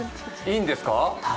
いいんですか。